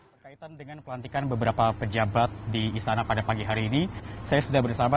hai kaitan dengan pelantikan beberapa pejabat di istana pada pagi hari ini saya sudah bersama